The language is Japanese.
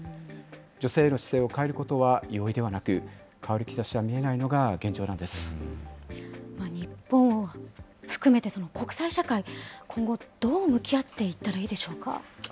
女性への姿勢を変えることは容易ではなく、変わる兆しが見えない一方、含めて国際社会、今後、どう向き合っていったらいいでしょうか。